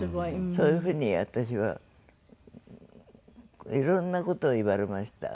そういう風に私はいろんな事を言われました。